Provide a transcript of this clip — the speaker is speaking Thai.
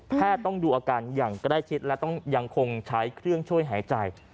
ต้องดูอาการอย่างใกล้ชิดและต้องยังคงใช้เครื่องช่วยหายใจ